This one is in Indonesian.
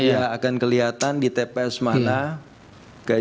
ya akan kelihatan di tps mana